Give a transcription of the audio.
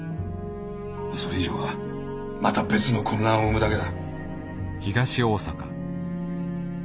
それ以上はまた別の混乱を生むだけだ。